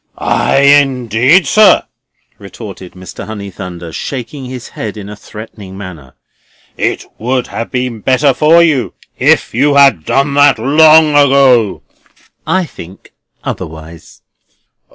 "Ay, indeed, sir!" retorted Mr. Honeythunder, shaking his head in a threatening manner. "It would have been better for you if you had done that long ago!" "I think otherwise."